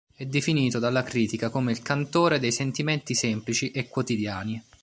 È definito dalla critica come il cantore dei sentimenti semplici e quotidiani.